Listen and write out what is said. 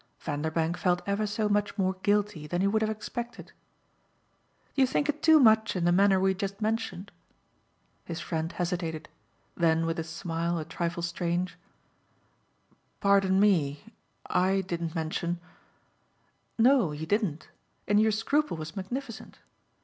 Vanderbank felt ever so much more guilty than he would have expected. "You think it too much in the manner we just mentioned?" His friend hesitated; then with a smile a trifle strange: "Pardon me; I didn't mention " "No, you didn't; and your scruple was magnificent.